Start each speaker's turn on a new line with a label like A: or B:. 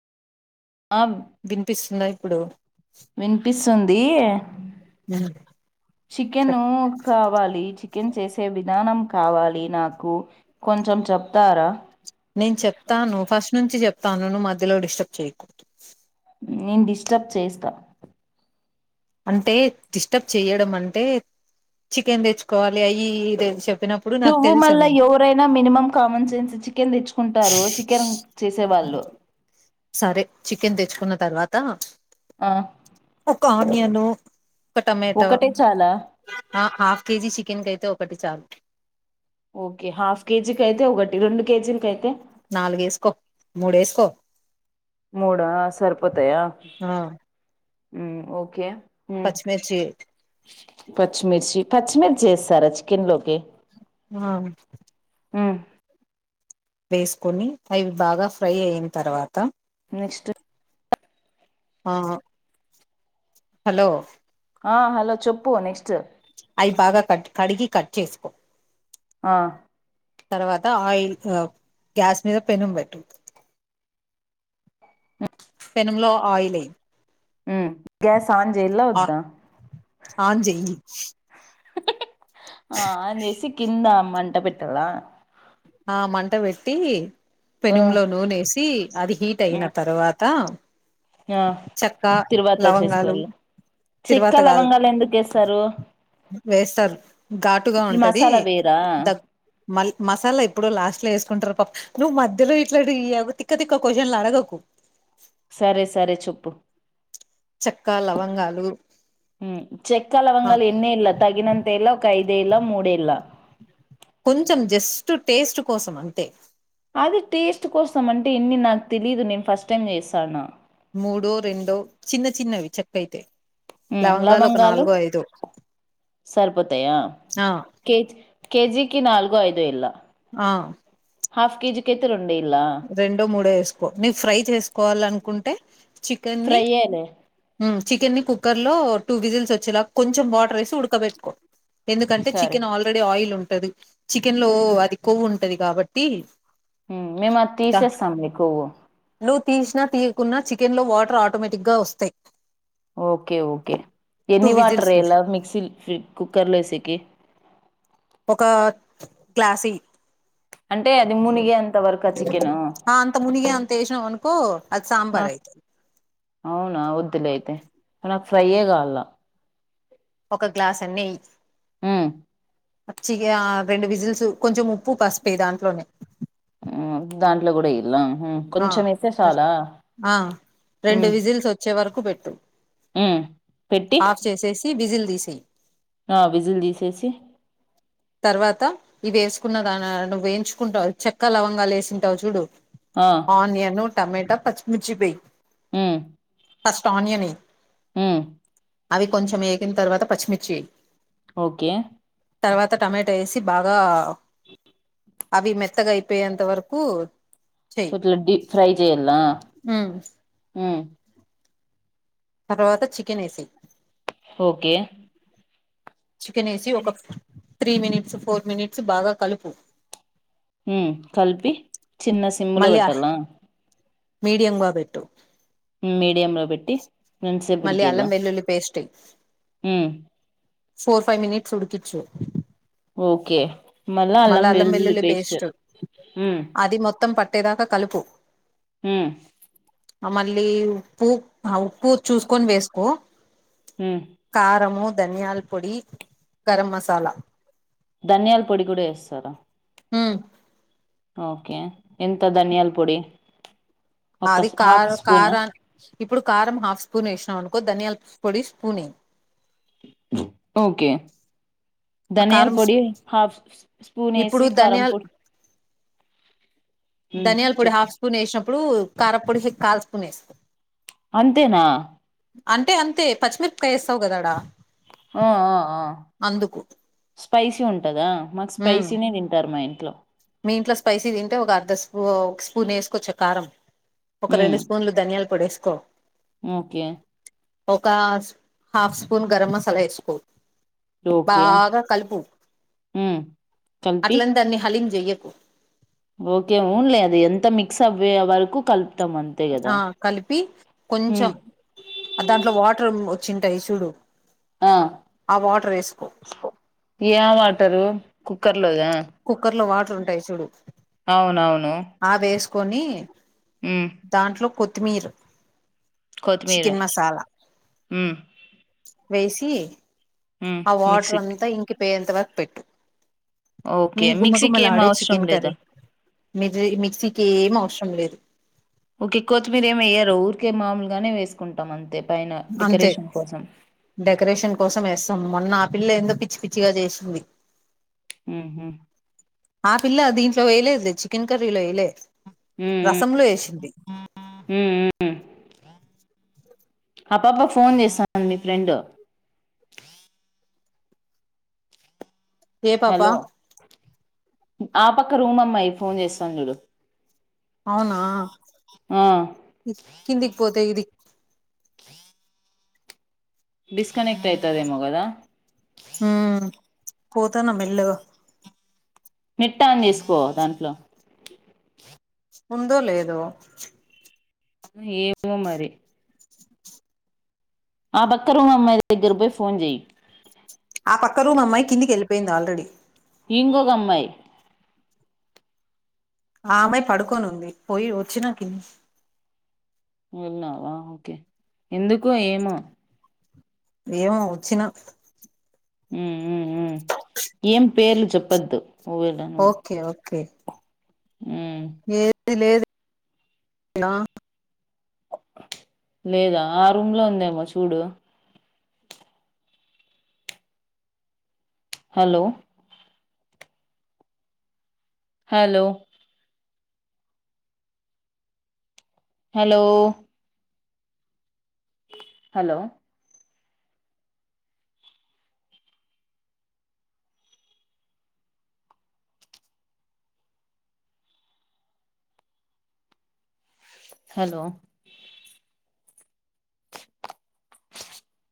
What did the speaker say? A: వినిపిస్తుందా ఇప్పుడు
B: వినిపిస్తుందీ చికెనూ కావాలి చికెన్ చేసే విధానం కావాలి నాకు కొంచెం చెప్తారా
A: నేన్ చెప్తాను ఫస్ట్ నుంచి చెప్తాను నువు మధ్యలో డిస్టర్బ్ చేయ్యకూదు
B: నేన్ డిస్టర్బ్ చేస్తా
A: అంటే డిస్టర్బ్ చేయడం అంటే చికెన్ తెచ్చుకోవాలి అయి ఇయి దె చెప్
B: నువ్వు మళ్ళ ఎవరైనా మినిమమ్ కామన్ సెన్స్ చికెన్ దెచ్చు కుంటారూ చికెన్ చేసే వాళ్ళు
A: సరే చికెన్ తెచ్చుకున్న తర్వాత ఒక్క ఆనియను ఒక టమాటా
B: ఒకటే చాలా
A: హా హాఫ్ కేజీ చికెన్ క కైతే ఒకటి చాలు
B: ఓకే హాఫ్ కేజి కైతే ఒకటి రెండు కేజీల కైతే
A: నాలుగు ఏసుకో మూడు ఏసుకో
B: మూడా సర్పొతయ
A: ఆ
B: ఉ ఓకే మ్మ్,
A: పచ్చిమిర్చి
B: పచ్చిమిర్చి పచ్చిమిర్చి ఏస్తారా చికెన్ లోకి
A: ఆ
B: మ్మ్,
A: వేస్కొని అవి బాగా ఫ్రై అయిన తర్వాత
B: నెక్స్ట్
A: ఆ హలో
B: ఆ హలో చెప్పు నెక్స్ట్
A: అయి బాగా కట్ కడిగి కట్ చేసుకో
B: ఆ
A: తర్వాత ఆయిల్ ఆ గ్యాస్ మీద పెనుం బెట్టు పెనంలో ఆయిల్ ఎయ్
B: ఉ గ్యాస్ ఆన్ జేయిల్లా ఒద్దా
A: ఆన్ చెయ్యి
B: ఆ ఆన్ చేసి కింద మంట పెట్టాలా
A: ఆ మంట వెట్టీ
B: ఆ
A: పెనుంలో నూనేసీ అది హీట్ అయిన
B: ఉమ్
A: తర్వాత
B: ఆ
A: చెక్క
B: తిరువాత
A: లవంగాలు
B: చేసుకోవాలి
A: తిరువాత
B: చెక్కా
A: కాదు
B: లవంగాలు ఎందుకేస్తారు
A: వేస్తారు ఘాటుగా ఉంటదీ,
B: మసాలా వేయరా
A: ద మల్ మసాలా ఇప్పుడు. లాస్ట్ లో ఏసుకుంటరు ప నువ్వు మధ్యలో ఇట్లాటి యవ్వ తిక్క తిక్క క్వశ్చన్లు అడగకు.
B: సరే సరే చెప్పు
A: చెక్కా లవంగాలు
B: ఉ చెక్క
A: ఆ
B: లవంగాలు ఎన్ని ఏల్లా, తగినంత ఏల్లా, ఒక ఐదే ఎల్, లా మూడేల్లా.
A: కొంచెం జస్ట్ టేస్ట్ కోసం అంతే
B: అది టేస్ట్ కోసం అంటే ఎన్ని నాకు తెలీదు, నేను ఫస్ట్ టైం చేసాన్న.
A: మూడో రెండో చిన్న చిన్నవి చక్కయితే లవంగాలు ఒక నాలుగో ఐదో
B: సరిపోతాయా
A: ఆ
B: కేజ్ కేజీకిి నలుగో ఐ
A: ఆ
B: హాఫ్ కేజీ అయితే రెం
A: రెండో మూడో వేసుకో నువ్వు ఫ్రై చేసుకోవాల అనుకుంటే చికెన్ ది
B: ఫ్రై ఏయాలే
A: ఊ చికెన్ని కుక్కర్ లో టూ విజిల్స్ వచ్చేలా కొంచెం వాటర్ వేసి ఉడకబెట్కోకో ఎందుకంటే
B: సరే
A: చికెన్ ఆల్రెడీ ఆయిల్ ఉంటు టది చికెన్ లో అది కొవ్వు ఉంటది కాబట్టి
B: హు మేము అది
A: ద
B: తీసేస్తాం లే కోవ్వు
A: నువ్వు తీసినా తీయకున్నా చికెన్ లో వాటర్ ఆటోమేటిక్ గా వస్తాయ్
B: ఓకే ఓకే ఎన్ని
A: విజిల్స్
B: వాటర్
A: వేసి
B: ఎయల్ల మిక్సీ కుక్కర్ లో వేసేకి
A: ఒక గ్లాస్ వేయ్
B: అంటే అది మునిగే అంత వరకు ఆ చికెన్
A: అంత మునిగే అంత వేసినావు అనుకో అది సాంబార్ అయితాంది
B: అవునా వద్దులే ఆయితే నాకు ఫ్రై యే కావాల
A: ఒక గ్లాస్ అన్ని వేయ్
B: ఊ
A: పచ్చిగా రెండు విజిల్స్ కొంచెం ఉప్పు పసూపు వేయ్ దాంట్లోనే
B: ఊ దాంట్లో కూడా వేయాళ్ళ హు
A: ఆ
B: కొంచెం వేస్తే చాలా
A: ఆ
B: ఉ
A: రెండు విజిల్స్ వచ్చే వరకు పెట్టు
B: ఊ పెట్టి
A: ట్టి విజిల్ తీసెయ్
B: ఆ విజిల్ తీసేసి
A: తర్వాత ఇవి వేసుకున్న దాని నువ్ వేయించుకుంటావు చెక్క లవంగాలు వేసింటావు చూడు
B: ఆ
A: ఆనియను, టమేటా, పచ్చిమిచ్చి వేయ్
B: ఉ
A: ఫస్ట్ ఆనియన్ వేయ్
B: ఉ
A: అవి కొంచెం వేగిన తర్వాత పచ్చిమిర్చి వేయ్
B: ఓకే
A: తర్వాత టమాటా వేసి బాగా అవి మెత్తగా అయిపోయేంత వరకు
B: ఇట్లా డీ ఫ్రై చెయాల్ల
A: ఉ
B: ఊ
A: తర్వాత చికెన్ వేసెయ్
B: ఓకే
A: చికెన్ వేసి ఒక త్రీ మినిట్స్ ఫోర్ మినిట్స్ బాగా కలుపు
B: హు కలిపి చిన్న సిమ్ లో
A: మళ్ళీ
B: పెట్టల్ల
A: మీడియంగా పెట్టు
B: మీడియంలో పెట్టి ఎంత సేపు
A: మళ్ళీ
B: ఉడికియాళ్ళ
A: అల్లం వెల్లుల్లి పేస్ట్ ఎయ్
B: ఉ
A: ఫోర్ ఫైవ్ మనిట్స్ ఉడుకిచ్చు
B: ఓకే మళ్ళా అల్లం వెల్లుల్లి పేస్ట్
A: తేదాక కలుపు
B: హు
A: మళ్ళీ ఉప్పు ఆ ఉప్పు చూసుకొని వేసుకో
B: ఉమ్
A: కారము, ధనియాల పొడి, గరం మసాలా
B: ధనియాల పొడి కూడా వేస్తారా
A: ఉ
B: ఓకే ఎంత ధనియాల పొడి ఒక
A: అది
B: హాఫ్
A: కారు
B: స్పూనా
A: కారన్ ఇప్పుడు కారం హాఫ్ స్పూన్ వేసినాం అనుకో ధనియాల పొడి స్పూనే
B: ఓకే
A: ఆ
B: ధనియాల్
A: కారం
B: పొడి హాఫ్ స్ స్ స్పూన్
A: ఇప్పుడు
B: వేసి కారం
A: ధనియాల్
B: పొడి ఉమ్
A: ధనియాల పొడి
B: చెప్పు
A: హాఫ్ స్పూన్ వేసినప్పుడు కారపొడి కాల్ స్పూన్ వేస్కో
B: అంతేనా
A: అంటే అంతే పచ్చిమిరపకాయ వేస్తావు కదాడా
B: ఆ ఆ ఆ
A: అందుకు
B: స్పైసీ ఉంటదా మాకు
A: హ్మ్
B: స్పైసీనే తింటారు మా ఇంట్లో
A: మీ ఇంట్లో స్పైసీస్ తింటే ఒక అర్ధ స్పూ ఒక స్పూన్ వేసుకోవచ్చు కారం ఒక
B: ఉమ్
A: రెండు స్పూన్లు ధనియాలు పొడివేసుకో
B: ఓకే
A: ఒకాస్ హాఫ్ స్పూన్ గరం మసాలా వేసుకో
B: ఓకే
A: బాగా కలుపు
B: ఉమ్ కలిపి
A: అట్లని దాన్ని హలీమ్ జేయ్యకు
B: ఓకే ఊన్లే అది అంతా మిక్స్ అవ్వే వరకు కల్ప్
A: ఆ కలిపి కొంచెం
B: ఉమ్
A: దాంట్లో వాటర్ ఉమ్ వచ్చింటాయి చూడు
B: ఆ
A: ఆ వాటర్ ఏసుకో
B: టరు కుక్కర్
A: కుక్కర్ లో వాటర్ ఉంటాయి చూడు
B: అవునవును
A: ఆ వేస్ కోని
B: ఉమ్
A: దాంట్లో కొత్తిమీర్
B: కొత్తిమీరే ఉమ్
A: వేసి
B: ఉమ్
A: ఆ వాటర్
B: మిక్సీకి
A: అంతా ఇంకిపోయేంత వరకు పెట్టు
B: ఓకే
A: మీ
B: మిక్సీకి ఏం
A: గుమగుమలాడే
B: అవసరం
A: చికెన్
B: లేదా
A: కర్రీ మిసి మిక్సీకి ఏం అవసరం లేదు
B: ఊకే కోత్తిమీరు ఏం వెయ్యరు ఊరికే మాముూలుగానే వేసుకుంటాం అంతే పైన
A: అంతే
B: డెకరేషన్ కోసం
A: డెకరేషన్ కోసం ఏస్తాం మొన్న పిల్లేందో పిచ్చి పిచ్చిగా చేసింది
B: ఉహు
A: ఆ పిల్ల దీం ట్లో వెయ్యలేదు లే చికెన్ కర్రీలో ఎయ్లే
B: ఉమ్
A: రసం
B: ఉమ్
A: లో ఏషింది
B: ఉమ్ ఉమ్ ఆ పాప ఫోన్ చేస్తాంది మీ ఫ్రెండ్
A: ఏ పాప
B: హలో ఆ పక్క రూం అమ్మాయి ఫోన్ చేస్తాంది చూడు
A: అవునా
B: ఆ
A: కిందికి పోతే ఇది
B: డిస్కనెక్ట్ అయితాది ఏమో గదా
A: ఊ పోతానా మెల్లగా
B: నెట్ ఆన్ చేసుకో దాంట్లో
A: ఉందో లేదో
B: అవును ఏమో మరి ఆ బక్కరూమ్ అమ్మాయి దగ్గర బోయి ఫోన్ చేయ్
A: ఆ పక్క రూం అమ్మాయి కిందికి వెళ్ళిపోయింది ఆల్రెడీ
B: ఇంగొక అమ్మాయి
A: ఆ అమ్మాయి పడుకోనుంది పోయి వచ్చినా కిన్
B: విన్నావా ఓకే ఎందుకు ఏమా
A: ఏమో వచ్చినా
B: ఉ ఉ ఉమ్ ఏం పేర్లు చెప్పద్దు ఒవేళ ను
A: కే ఏది లేదు ఎలా
B: లేదా ఆ రూమ్ లో ఉందేమో చూడు hello hello hello hello hello